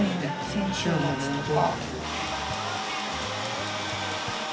先週末とか。